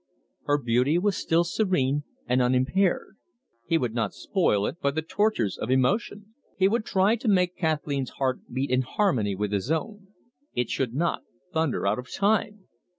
Her beauty was still serene and unimpaired. He would not spoil it by the tortures of emotion. He would try to make Kathleen's heart beat in harmony with his own; it should not thunder out of time.